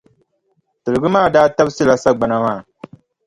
Tiligi maa daa tabisila sagbana maa.